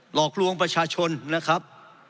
หลอกลวงประชาชนนะครับ